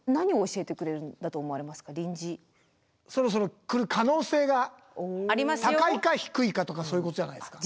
そろそろ来る可能性が高いか低いかとかそういうことじゃないですか。